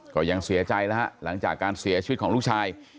ก็ยังเสียใจแล้วฮะหลังจากการเสียชีวิตของลูกชาย